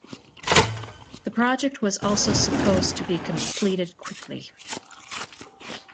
The project was also supposed to be completed quickly.